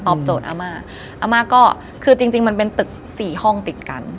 โจทย์อาม่าอาม่าก็คือจริงมันเป็นตึกสี่ห้องติดกัน